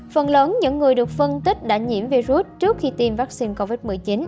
phần lớn những người được phân tích đã nhiễm virus trước khi tiêm vaccine covid một mươi chín